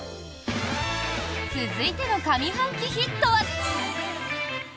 続いての上半期ヒットは。